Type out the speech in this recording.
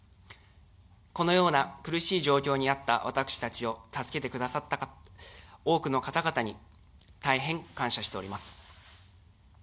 このような苦しい状況にあった私たちを助けてくださった多くの方々に大変感謝しております。